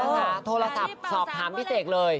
ต้องนะคะโทรศัพท์ถามพี่เสกเลย